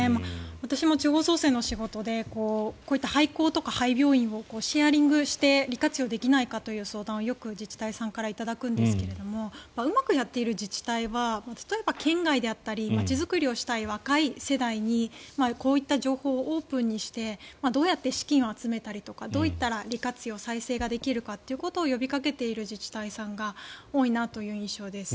私も地方創生の仕事でこういった廃校とか廃病院を利活用できないかという相談をよく自治体さんから頂くんですがうまくやっている自治体は県外であったりとか街づくりをしている若い世代にこういった情報をオープンにしてどうやって資金を集めたりどうやったら利活用できるか呼びかけている自治体さんが多いなという印象です。